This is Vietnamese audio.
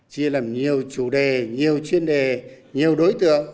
chia làm nhiều chủ đề nhiều chuyên đề nhiều đối tượng